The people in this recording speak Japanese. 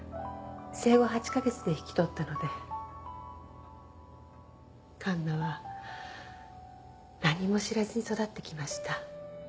生後８カ月で引き取ったので環奈は何も知らずに育ってきました。